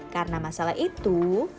karena masalah itu